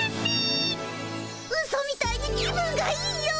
ウソみたいに気分がいいよ。